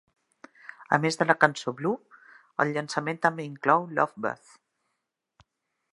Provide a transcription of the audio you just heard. A més de la cançó "Blew", el llançament també inclou "Love Buzz".